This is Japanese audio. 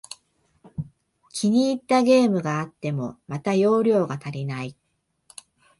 気に入ったゲームがあっても、また容量が足りない